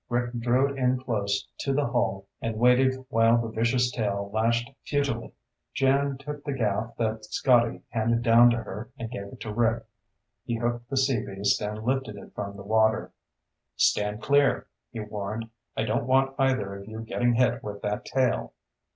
Rick drew it in close to the hull and waited while the vicious tail lashed futilely. Jan took the gaff that Scotty handed down to her and gave it to Rick. He hooked the sea beast and lifted it from the water. "Stand clear!" he warned. "I don't want either of you getting hit with that tail!"